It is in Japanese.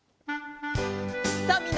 さあみんな！